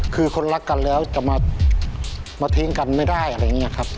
คือคนรักกันแล้วจะมาทิ้งกันไม่ได้อะไรอย่างนี้ครับ